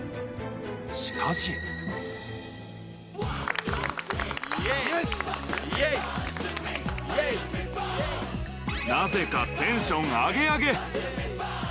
しかしなぜか、テンションアゲアゲ。